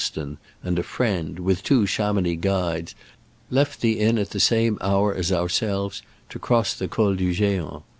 143 stone and a friend, with two Chamoimix guides, left the inn at the same hour as ourselves, to cross the Col du G6ant.